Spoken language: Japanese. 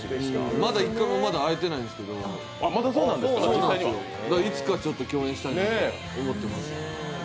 まだ１回も会えてないんですが、いつか共演したいと思ってます。